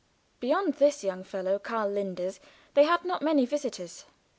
Beyond this young fellow, Karl Linders, they had not many visitors.